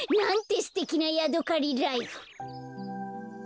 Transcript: すてきなヤドカリライフ！